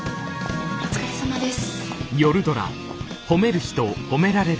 お疲れさまです。